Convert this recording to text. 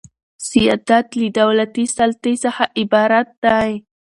سیادت له دولتي سلطې څخه عبارت دئ.